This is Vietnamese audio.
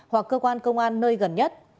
hoặc cơ quan công an nơi gần nhất